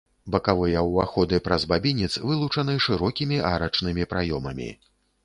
Бакавыя ўваходы праз бабінец вылучаны шырокімі арачнымі праёмамі.